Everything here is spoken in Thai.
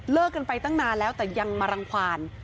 กันไปตั้งนานแล้วแต่ยังมารังความ